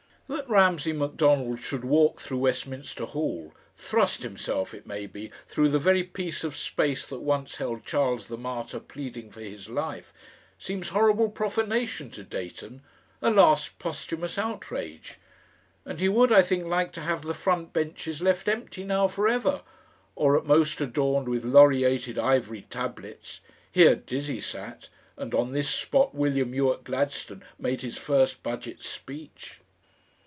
That Mr. Ramsay Macdonald should walk through Westminster Hall, thrust himself, it may be, through the very piece of space that once held Charles the Martyr pleading for his life, seems horrible profanation to Dayton, a last posthumous outrage; and he would, I think, like to have the front benches left empty now for ever, or at most adorned with laureated ivory tablets: "Here Dizzy sat," and "On this Spot William Ewart Gladstone made his First Budget Speech."